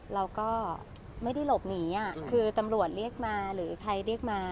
เราก็ไม่ได้หลบหนีคือตำรวจเรียกมาหรือใครเรียกมา